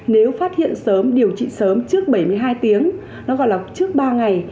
nếu phát hiện sớm điều trị sớm trước bảy mươi hai tiếng nó gọi là trước ba ngày